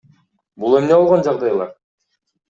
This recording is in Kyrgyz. Бул эмне болгон жагдайлар?